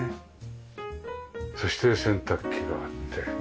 そして洗濯機があって。